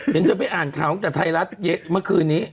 เตนจะไปอ่านข่าวจากไทยรัฐเมื่อคืนนี้